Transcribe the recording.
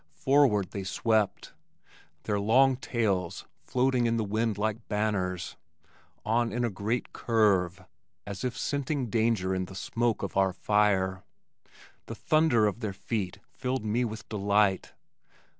Forward they swept, their long tails floating in the wind like banners, on in a great curve as if scenting danger in the smoke of our fire. The thunder of their feet filled me with delight.